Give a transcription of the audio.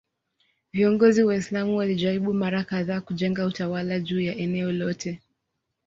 Viongozi Waislamu walijaribu mara kadhaa kujenga utawala juu ya eneo lote.